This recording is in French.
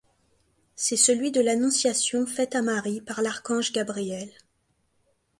C'est celui de l'Annonciation faite à Marie par l'archange Gabriel.